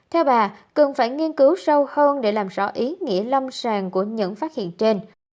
theo bà cần phải nghiên cứu sâu hơn để làm rõ ý nghĩa lâm sàng của những phát hiện trên